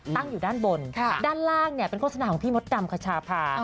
ตั้งอยู่ด้านบนด้านล่างเป็นโฆษณาของพี่มดดำคชาพา